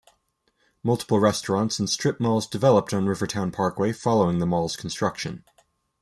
Multiple restaurants and strip malls developed on Rivertown Parkway following the mall's construction.